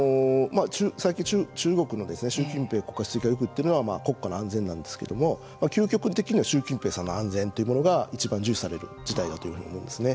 最近中国の習近平国家主席がよく言っているのは国家の安全なんですけれども究極的には習近平さんの安全がいちばん重視される事態だというふうに思われるんですね。